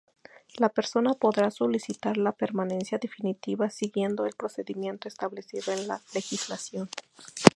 La persona podrá solicitar la permanencia definitiva siguiendo el procedimiento establecido en la legislación.